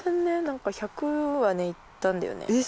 なんか１００はねいったんだよね。